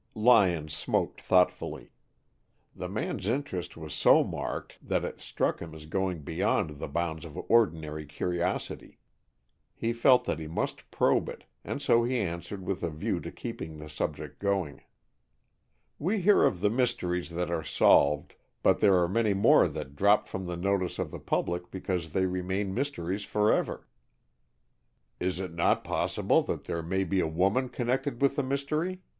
Lyon smoked thoughtfully. The man's interest was so marked that it struck him as going beyond the bounds of ordinary curiosity. He felt that he must probe it, and so he answered with a view to keeping the subject going. "We hear of the mysteries that are solved, but there are many more that drop from the notice of the public because they remain mysteries forever." "Is it not possible that there may be a woman connected with the mystery?"